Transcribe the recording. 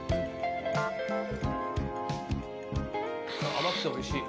甘くておいしい。